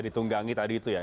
ditunggangi tadi itu ya